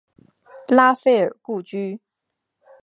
拉斐尔故居。